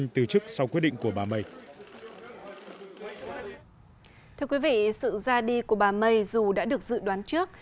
thưa quý vị sự ra đi của bà may dù đã được dự đoán trước